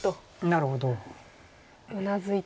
なるほど。